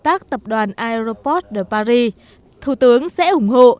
tác tập đoàn aeroport de paris thủ tướng sẽ ủng hộ